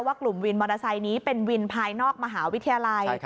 กลุ่มวินมอเตอร์ไซค์นี้เป็นวินภายนอกมหาวิทยาลัย